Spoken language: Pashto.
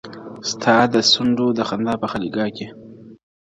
ستا د سونډو د خندا په خاليگاه كـي.